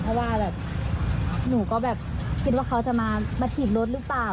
เพราะว่าแบบหนูก็แบบคิดว่าเขาจะมาถีบรถหรือเปล่า